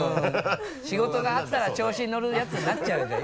仕事があったら調子にのるやつになっちゃうじゃん。